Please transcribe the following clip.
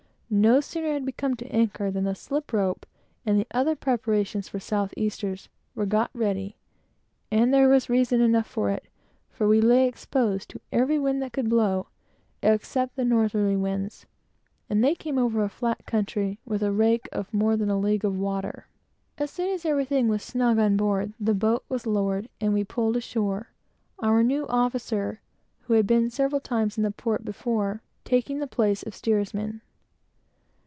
No sooner had we come to anchor, than the slip rope, and the other preparations for south easters, were got ready; and there was reason enough for it, for we lay exposed to every wind that could blow, except the north west, and that came over a flat country with a range of more than a league of water. As soon as everything was snug on board, the boat was lowered, and we pulled ashore, our new officer, who had been several times in the port before, taking the place of steersman.